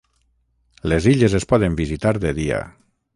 Les illes es poden visitar de dia.